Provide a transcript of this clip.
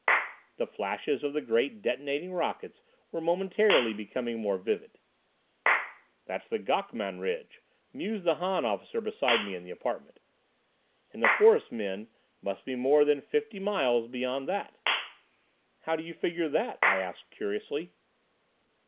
The flashes of the great detonating rockets were momentarily becoming more vivid. "That's the Gok Man ridge," mused the Han officer beside me in the apartment, "and the Forest Men must be more than fifty miles beyond that." "How do you figure that?" I asked curiously.